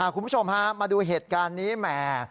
คุณผู้ชมฮะมาดูเหตุการณ์นี้แหม